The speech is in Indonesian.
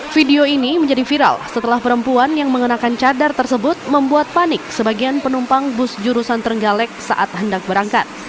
video ini menjadi viral setelah perempuan yang mengenakan cadar tersebut membuat panik sebagian penumpang bus jurusan trenggalek saat hendak berangkat